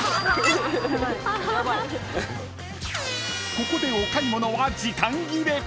［ここでお買い物は時間切れ］